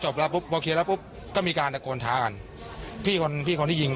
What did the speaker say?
ปุ๊บพอเคลียร์แล้วปุ๊บก็มีการตะโกนท้ากันพี่คนพี่คนที่ยิง